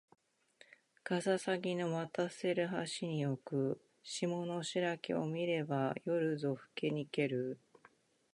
かささぎの渡せる橋に置く霜の白きを見れば夜ぞふけにける